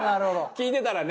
聞いてたらね。